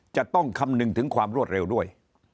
จะต้องคำนึงถึงความรวดเร็วด้วย